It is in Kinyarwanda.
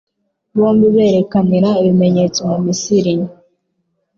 Bombi berekanira ibimenyetso mu Misiri